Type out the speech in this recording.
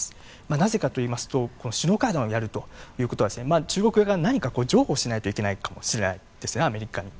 なぜかというと首脳会談をやるということは中国側、何か譲歩しなければいけないかもしれないんですね、アメリカに。